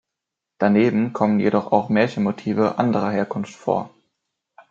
Daneben kommen jedoch auch Märchenmotive anderer Herkunft vor.